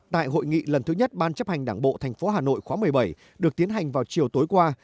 tại hội nghị lần thứ nhất ban chấp hành đảng bộ tp hà nội khóa một mươi bảy được tiến hành vào chiều tối qua